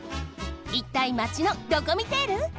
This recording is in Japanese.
いったいマチのドコミテール？